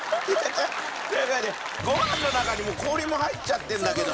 ご飯の中に氷も入っちゃってるんだけど。